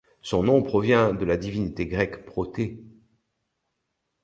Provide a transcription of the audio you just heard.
Son nom provient de la divinité grecque Protée.